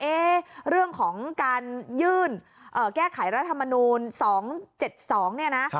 เรื่องของการยื่นแก้ไขรัฐมนูล๒๗๒เนี่ยนะ